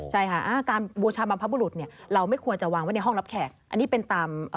ใช่กระตันอยู่ที่ไหนก็แบบ